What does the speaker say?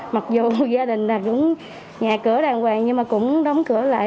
mặc dù gia đình là đúng nhà cửa đàng hoàng nhưng mà cũng đóng cửa lại